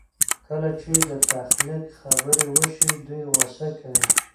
کله چې د تحقيق خبره وشي دوی غوسه کوي.